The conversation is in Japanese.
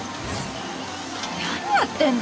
何やってんの？